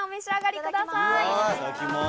いただきます。